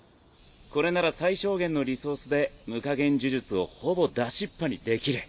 これなら最小限のリソースで無下限呪術をほぼ出しっぱにできる。